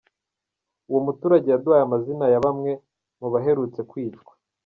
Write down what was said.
Uwo muturage yaduhaye amazina ya bamwe mubaherutse kwicwa: